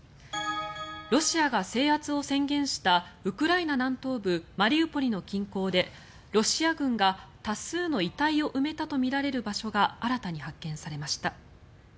ロシアが制圧を宣言したウクライナ南東部マリウポリの近郊でロシア軍が多数の遺体を埋めたとみられる場所が新たに発見されました。